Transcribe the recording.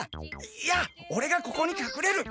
いやオレがここにかくれる！